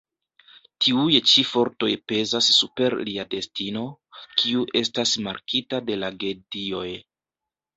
Tiuj ĉi fortoj pezas super lia destino, kiu estas markita de la gedioj.